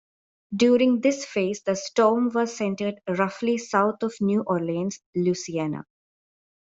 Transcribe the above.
During this phase the storm was centered roughly south of New Orleans, Louisiana.